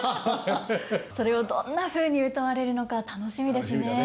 それをどんなふうにうたわれるのか楽しみですね。